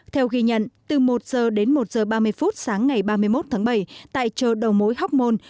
theo ghi nhận từ một giờ đến một h ba mươi phút sáng ngày ba mươi một tháng bảy tại chợ đầu mối hóc môn